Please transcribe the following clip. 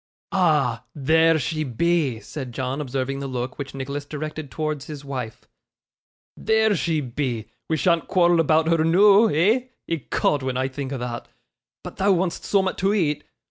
'Ah! there she be,' said John, observing the look which Nicholas directed towards his wife. 'There she be we shan't quarrel about her noo eh? Ecod, when I think o' thot but thou want'st soom'at to eat.